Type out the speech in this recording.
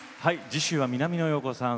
次週は南野陽子さん